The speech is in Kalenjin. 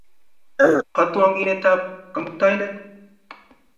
Otwogindetab Kamuktaindet.